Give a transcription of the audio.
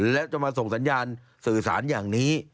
และจะมาส่งสัญญาณสื่อสารอย่างนี้